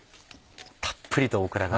たっぷりとオクラが。